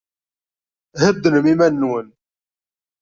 Heddnem iman-nwen.